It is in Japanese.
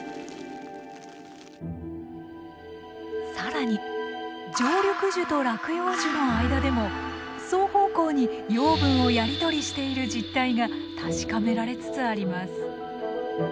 更に常緑樹と落葉樹の間でも双方向に養分をやり取りしている実態が確かめられつつあります。